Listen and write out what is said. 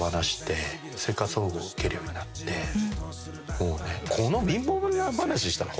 もうね。